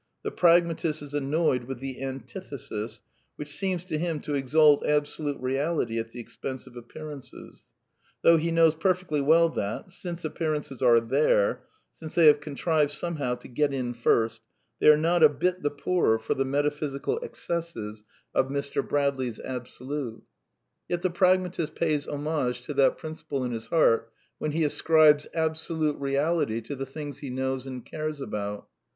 The pragmatist is annoyed with the antithesis, which seems to him to exalt Absolute Eeality at the expense of appearances; though he knows perfectly well that, since appearances are " there," since they have contrived somehow to get in first, they are not a bit the poorer for the metaphysical excesses of Mr. Brad 134 A DEFENCE OF IDEALISM ley's Absolute. Yet the pragmatist pays homage to that \^ principle in his heart when he ascribes absolute reality to^"^'^ the things he knows and cares about.